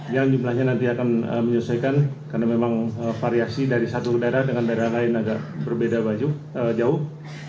yang jumlahnya nanti akan menyelesaikan karena memang variasi dari satu daerah dengan daerah lain agak berbeda jauh